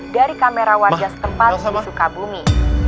dari kamera warga sekempat seperta daun venus